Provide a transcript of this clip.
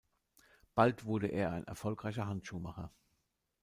Bald wurde er ein erfolgreicher Handschuhmacher.